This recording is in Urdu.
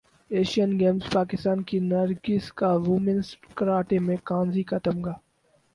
ایشین گیمز پاکستان کی نرگس کا ویمنز کراٹے میں کانسی کا تمغہ